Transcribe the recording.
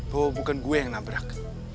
bahwa bukan gue yang nabrak